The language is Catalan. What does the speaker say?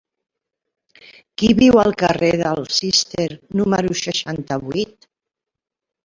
Qui viu al carrer del Cister número seixanta-vuit?